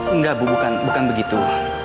enggak bu bukan begitu